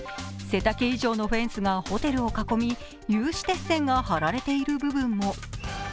背丈以上のフェンスがホテルを囲み、有刺鉄線が張られている部分も。